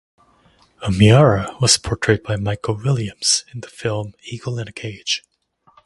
O'Meara was portrayed by Michael Williams in the film Eagle in a Cage.